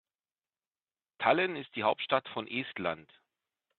Tallinn ist die Hauptstadt von Estland.